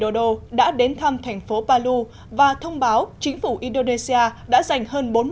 tổng thống indonesia joko widodo đã đến thăm thành phố palu và thông báo chính phủ indonesia đã giành hợp với tổng thống indonesia